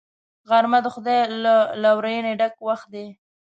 غرمه د خدای له لورینې ډک وخت دی